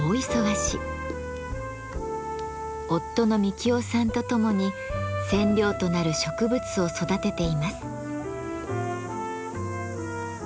夫の美樹雄さんとともに染料となる植物を育てています。